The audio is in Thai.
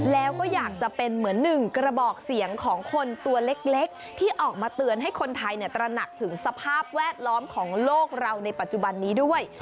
แล้วก็อยากจะเป็นเหมือนหนึ่งกระบอกเสียงของคนตัวเล็กที่ออกมาเตือนให้คนไทยตระหนักถึงสภาพแวดล้อมของโลกเราในปัจจุบันนี้ด้วย